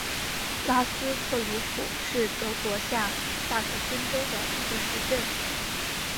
拉斯特鲁普是德国下萨克森州的一个市镇。